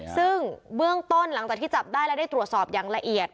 ซึ่งเบื้องต้นหลังจากที่จับได้และได้ตรวจสอบอย่างละเอียด